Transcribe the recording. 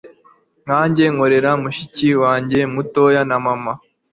nkajya nkorera mushiki wanjye mutoya na mama